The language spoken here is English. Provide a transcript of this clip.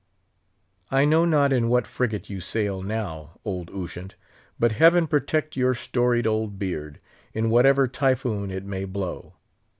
I know not in what frigate you sail now, old Ushant; but Heaven protect your storied old beard, in whatever Typhoon it may blow.